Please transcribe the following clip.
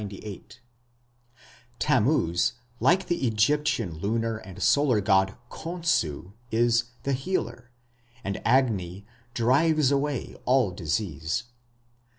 Tammuz, like the Egyptian lunar and solar god Khonsu, is "the healer", and Agni "drives away all disease".